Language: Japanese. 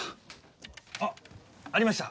あっありました。